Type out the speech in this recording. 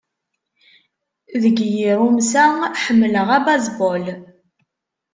Deg yirumsa, ḥemmleɣ abaseball.